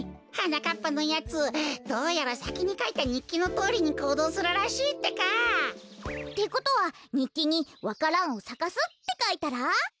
はなかっぱのやつどうやらさきにかいたにっきのとおりにこうどうするらしいってか。ってことはにっきに「わか蘭をさかす」ってかいたら？